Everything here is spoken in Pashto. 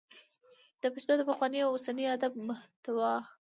د پښتو د پخواني او اوسني ادب محتوا